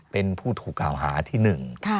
เป็นผู้ถูกกล่าวหาที่หนึ่ง